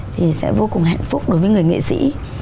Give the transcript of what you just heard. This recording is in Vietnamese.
thì sẽ vô cùng hạnh phúc đối với người nghệ sĩ